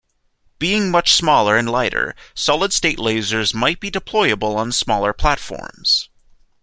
Being much smaller and lighter, solid state lasers might be deployable on smaller platforms.